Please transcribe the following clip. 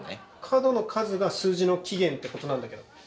角の数が数字の起源ってことなんだけど。